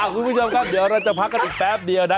คุณผู้ชมครับเดี๋ยวเราจะพักกันอีกแป๊บเดียวนะ